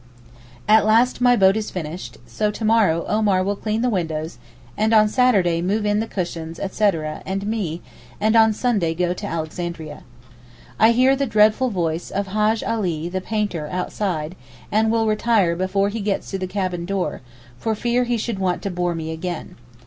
At last my boat is finished, so to morrow Omar will clean the windows, and on Saturday move in the cushions, etc. and me, and on Sunday go to Alexandria. I hear the dreadful voice of Hajj' Alee, the painter, outside, and will retire before he gets to the cabin door, for fear he should want to bore me again.